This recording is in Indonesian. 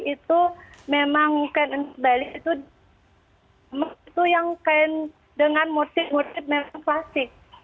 itu memang kain endek bali itu yang kain dengan motif motif memang klasik